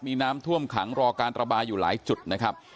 มีน้ำท่วมขังรอการระบายอยู่หลายจุดนะครับ